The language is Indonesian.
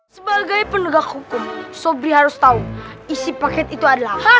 sebagai penegak hukum sobri harus tahu isi paket itu adalah hak